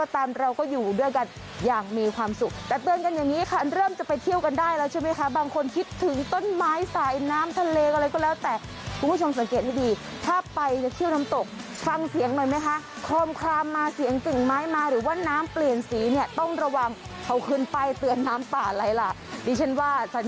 ตามเราก็อยู่ด้วยกันอย่างมีความสุขแต่เตือนกันอย่างนี้ค่ะเริ่มจะไปเที่ยวกันได้แล้วใช่ไหมคะบางคนคิดถึงต้นไม้สายน้ำทะเลอะไรก็แล้วแต่คุณผู้ชมสังเกตให้ดีถ้าไปจะเที่ยวน้ำตกฟังเสียงหน่อยไหมคะโคมคลามมาเสียงกึ่งไม้มาหรือว่าน้ำเปลี่ยนสีเนี่ยต้องระวังเขาขึ้นไปเตือนน้ำป่าไหลล่ะดิฉันว่าสัน